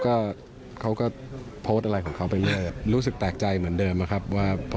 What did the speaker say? ออกอาการห่วงกันเลยเดี๋ยว